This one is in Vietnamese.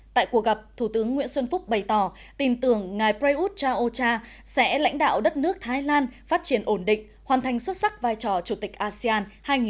tại cuộc gặp thủ tướng nguyễn xuân phúc bày tỏ tin tưởng ngài prayuth chan o cha sẽ lãnh đạo đất nước thái lan phát triển ổn định hoàn thành xuất sắc vai trò chủ tịch asean hai nghìn hai mươi